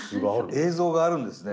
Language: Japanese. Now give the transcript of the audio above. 映像があるんですね。